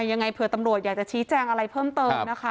ยังไงเผื่อตำรวจอยากจะชี้แจงอะไรเพิ่มเติมนะคะ